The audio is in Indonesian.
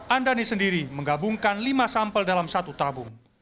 andani sendiri menggabungkan lima sampel dalam satu tabung